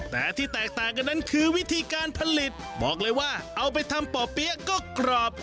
แต่ที่แตกต่างกันนั้นคือวิธีการผลิตบอกเลยว่าเอาไปทำป่อเปี๊ยะก็กรอบ